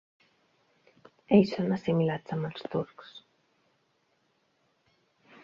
Ells són assimilats amb els turcs.